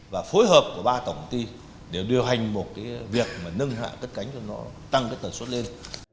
và phối hợp của ba tổng công ty để điều hành một việc nâng hạ cất cánh cho nó tăng tần suất lên